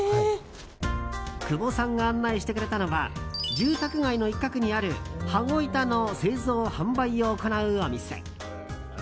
久保さんが案内してくれたのは住宅街の一角にある羽子板の製造・販売を行うお店。